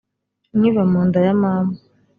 nkiva mu nda ya mama